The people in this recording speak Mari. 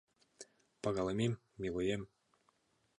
Пагалымем, милоем.